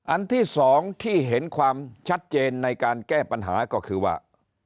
อันที่๒ที่เห็นความชัดเจนในการแก้ปัญหาก็คือว่า